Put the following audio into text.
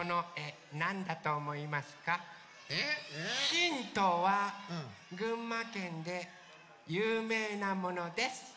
ヒントは群馬県でゆうめいなものです。